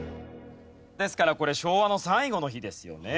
ですからこれ昭和の最後の日ですよね。